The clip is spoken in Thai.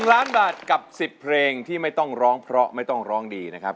๑ล้านบาทกับ๑๐เพลงที่ไม่ต้องร้องเพราะไม่ต้องร้องดีนะครับ